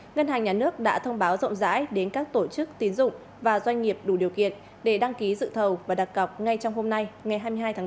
ngân hàng nhà nước đã thông báo rộng rãi đến các tổ chức tín dụng và doanh nghiệp đủ điều kiện để đăng ký dự thầu và đặc cọc ngay trong hôm nay ngày hai mươi hai tháng năm